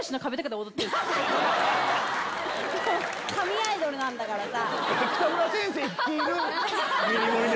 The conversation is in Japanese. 神アイドルなんだからさ。